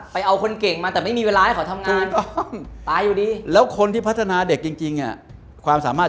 ไปเอาคนเก่งมาแต่ไม่มีเวลาให้เขาทำงาน